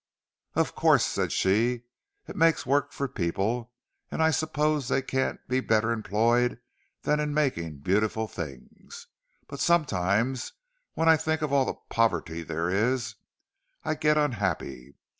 "Of course," said she, "it makes work for people; and I suppose they can't be better employed than in making beautiful things. But sometimes, when I think of all the poverty there is, I get unhappy.